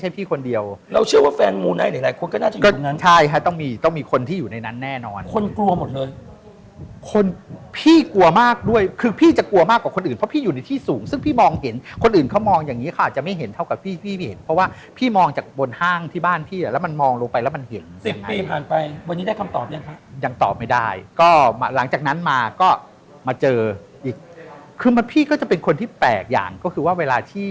พี่กลัวมากด้วยคือพี่จะกลัวมากกว่าคนอื่นเพราะพี่อยู่ในที่สูงซึ่งพี่มองเห็นคนอื่นเขามองอย่างนี้ค่ะอาจจะไม่เห็นเท่ากับพี่พี่ไม่เห็นเพราะว่าพี่มองจากบนห้างที่บ้านพี่แล้วมันมองลงไปแล้วมันเห็นสิบปีผ่านไปวันนี้ได้คำตอบยังคะยังตอบไม่ได้ก็หลังจากนั้นมาก็มาเจออีกคือพี่ก็จะเป็นคนที่แปลกอย่างก็คื